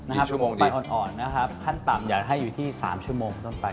ชั่วโมงใบอ่อนนะครับขั้นต่ำอยากให้อยู่ที่สามชั่วโมงต้นไป